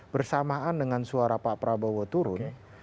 bersamaan dengan suara pak prabowo turun